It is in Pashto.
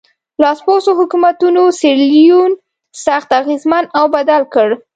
لاسپوڅو حکومتونو سیریلیون سخت اغېزمن او بدل کړ.